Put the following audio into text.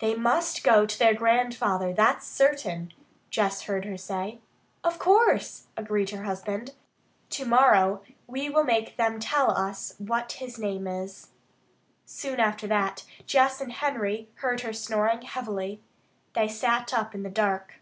"They must go to their grandfather, that's certain," Jess heard her say. "Of course," agreed her husband. "Tomorrow we will make them tell us what his name is." Soon after that Jess and Henry heard her snoring heavily. They sat up in the dark.